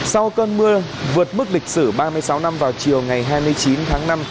sau cơn mưa vượt mức lịch sử ba mươi sáu năm vào chiều ngày hai mươi chín tháng năm